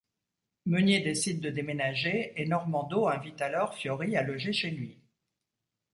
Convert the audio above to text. Meunier décide de déménager et Normandeau invite alors Fiori à loger chez lui.